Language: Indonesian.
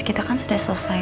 kita kan sudah selesai